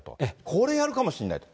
これ、やるかもしれないと。